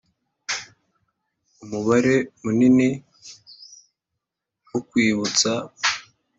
umubare munini wo kwibutsa ,